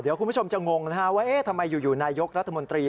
เดี๋ยวคุณผู้ชมจะงงนะฮะว่าทำไมอยู่นายกรัฐมนตรี